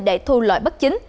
để thu loại bất chính